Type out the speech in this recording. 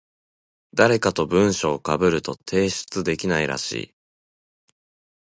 誰かと文章被ると提出できないらしい。